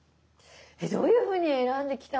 えっどういうふうに選んできた。